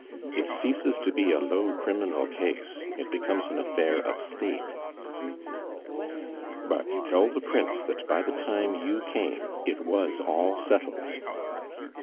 It ceases to be a low criminal case; it becomes an affair of State." "But tell the Prince that by the time you came it was all settled."